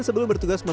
setara bertambah boats